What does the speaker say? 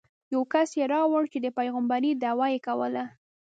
یو کس یې راوړ چې د پېغمبرۍ دعوه یې کوله.